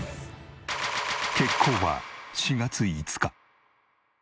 決行は４月５日。